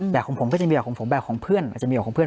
แต่ของผมก็จะมีแบบของผมแบบของเพื่อนอาจจะมีออกของเพื่อน